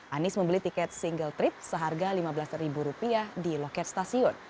anies membeli tiket single trip seharga lima belas di loket stasiun